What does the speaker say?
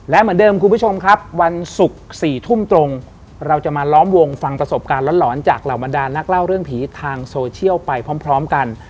และเหมือนเดิมคุณผู้ชมครับวันศุกร์๔ทุ่มตรงเราจะมาล้อมวงฟังประสบการณ์หลอนจากเหล่าบรรดานนักเล่าเรื่องผีทางโซเชียลไปพร้อมกัน